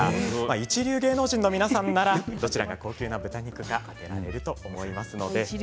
一流芸能人の皆さんならどちらが高級な豚肉か当てられると思います。